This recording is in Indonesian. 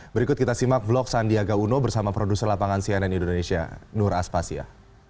berikut kita simak vlog sandiaga uno bersama produser lapangan cnn indonesia nur aspasya